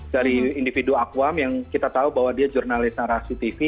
dari individu akuam yang kita tahu bahwa dia jurnalis narasi tv